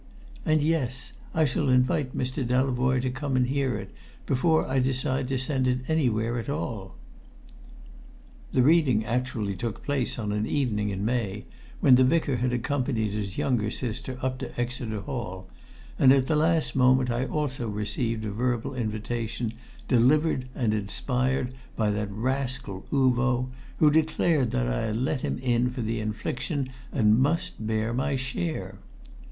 And yes I shall invite Mr. Delavoye to come and hear it, before I decide to send it anywhere at all." The reading actually took place on an evening in May, when the Vicar had accompanied his younger sister up to Exeter Hall; and at the last moment I also received a verbal invitation, delivered and inspired by that rascal Uvo, who declared that I had let him in for the infliction and must bear my share.